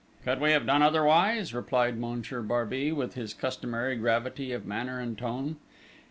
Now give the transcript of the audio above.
"Could we have done otherwise?" replied Monsieur Barbey, with his customary gravity of manner and tone.